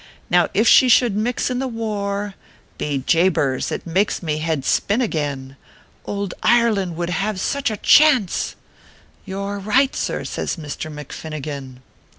Now if she should mix m tho war Bo jabers ! it makes mo head spin again I Ould Ireland would have such a chance /"" You re right, sir," says Misther McFinnigan.